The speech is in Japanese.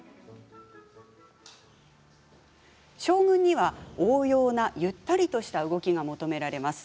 将軍には、おうようなゆったりとした動きが求められます。